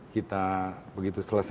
kita begitu setelah